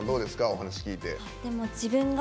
お話を聞いて。